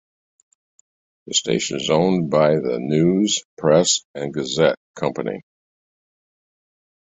The station is owned by the News-Press and Gazette Company.